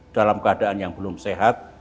dalam keadaan yang belum sehat